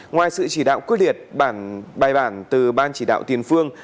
ngoài sự chỉ đạo quyết liệt bản bài bản từ ban chỉ đạo tiền phương